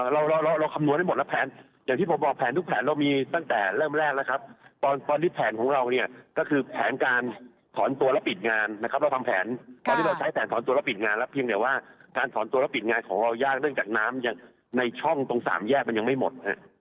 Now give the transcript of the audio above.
เราเราคำนวณให้หมดแล้วแผนอย่างที่ผมบอกแผนทุกแผนเรามีตั้งแต่เริ่มแรกแล้วครับตอนนี้แผนของเราเนี่ยก็คือแผนการถอนตัวแล้วปิดงานนะครับเราทำแผนตอนที่เราใช้แผนถอนตัวแล้วปิดงานแล้วเพียงแต่ว่าการถอนตัวแล้วปิดงานของเรายากเนื่องจากน้ำยังในช่องตรงสามแยกมันยังไม่หมด